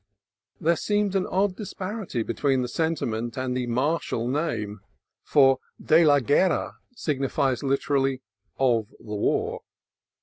There seemed an odd disparity between the sentiment and the martial name (for de la Guerra signifies, literally, "of the war").